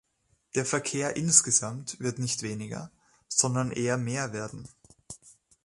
Der Verkehr insgesamt wird nicht weniger, sondern eher mehr werden.